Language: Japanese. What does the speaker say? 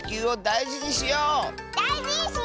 だいじにしよう！